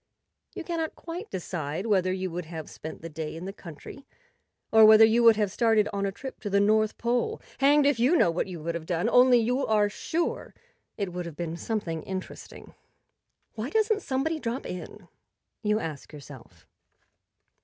You cannot quite decide whether you would have spent the day in the country or whether you would have started on a trip to the North Pole. Hanged if you know what you would have done! Only, you are sure it would have been something interesting. "Why doesn't somebody drop in? " you ask yourself.